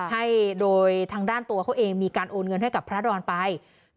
ให้โดยทางด้านตัวเขาเองมีการโอนเงินให้กับพระดอนไป